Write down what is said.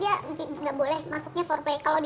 yang ini dari purple coru vanessa saluteo